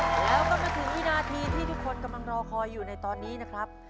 แล้วก็มาถึงวินาทีที่ทุกคนกำลังรอคอยอยู่ในตอนนี้นะครับ